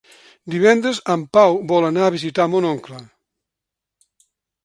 Divendres en Pau vol anar a visitar mon oncle.